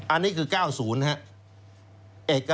อันนี้คือ๙๐นะครับ